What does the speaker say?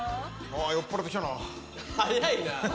早いな。